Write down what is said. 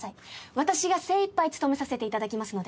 私が精いっぱい務めさせて頂きますので。